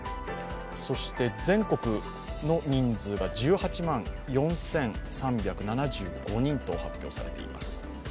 そして、全国の人数が１８万４３７５人と発表されています。